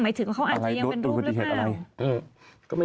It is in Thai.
หมายถึงเขาอาจจะยังเป็นรูปแล้วกัน